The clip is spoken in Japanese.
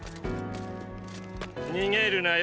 逃げるなよ。